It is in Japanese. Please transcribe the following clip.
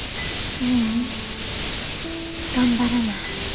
ううん頑張らな。